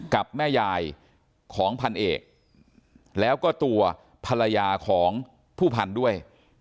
กับแม่ยายของพันเอกแล้วก็ตัวภรรยาของผู้พันธุ์ด้วย